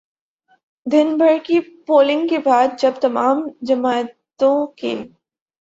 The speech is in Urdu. دن بھر کی پولنگ کے بعد جب تمام جماعتوں کے